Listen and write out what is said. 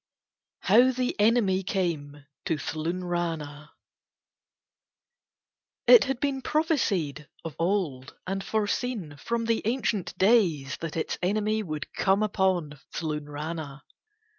HOW THE ENEMY CAME TO THLUNRANA It had been prophesied of old and foreseen from the ancient days that its enemy would come upon Thlunrana.